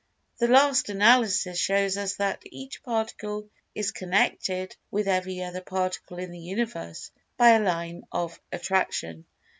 The last analysis shows us that each Particle is connected with every other Particle in the Universe by a line of Attraction.